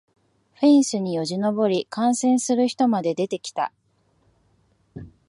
フェンスによじ登り観戦する人まで出てきた